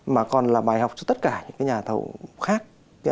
mà còn là bài học cho tất cả những nhà thầu khác